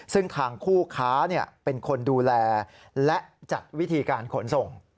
ซึ่งทางคู่ค้าเป็นคนดูแลและจัดวิธีการขนส่ง